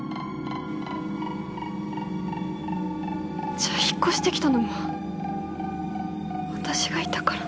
じゃ引っ越してきたのも私がいたから？